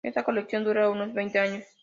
Esta colección dura unos veinte años.